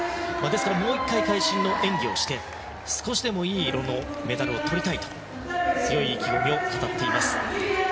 ですから、もう１回会心の演技をして少しでもいい色のメダルをとりたいと強い意気込みを語っています。